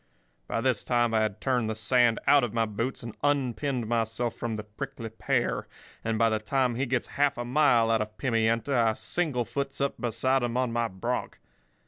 By this time I had turned the sand out of my boots and unpinned myself from the prickly pear; and by the time he gets half a mile out of Pimienta, I singlefoots up beside him on my bronc.